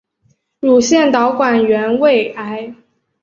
乳腺导管原位癌。